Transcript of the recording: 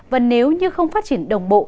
và nếu như không phát triển đồng bộ